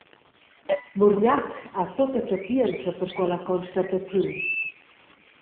Murgnac ha tutta capientscha per quella constataziun.